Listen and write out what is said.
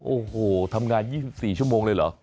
โอ้โหทำงาน๒๔ชั่วโมงเลยเหรอ